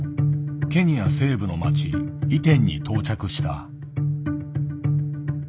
ケニア西部の町イテンに到着した。